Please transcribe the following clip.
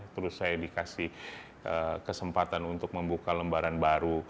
terus saya dikasih kesempatan untuk membuka lembaran baru